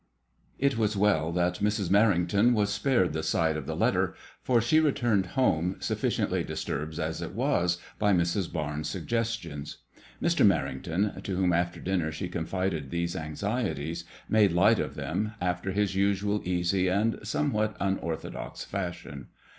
III. ?T was well that Mrm MerringtoQ was spared the sight of the letter, I tor she returned home, sufficiently disturbed as it was by Mrs. Barnes' suggestions. Mr. Merrington, to whom after dinner she confided these anxieties, made light of them, after his usual easy and somewhat unorthodox fashion.